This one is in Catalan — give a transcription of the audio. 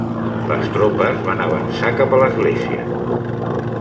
Les tropes van avançar cap a l'església.